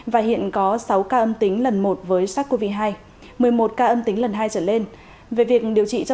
và hiện có sáu ca âm tính lần một với sars cov hai một mươi một ca âm tính lần hai trở lên về việc điều trị cho